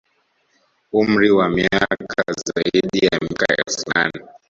Umri wa miaka zaidi ya miaka elfu nane